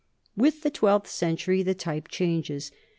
With the twelfth century the type changes.